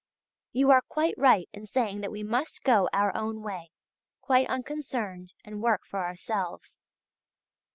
You are quite right in saying that we must go our own way, quite unconcerned, and work for ourselves.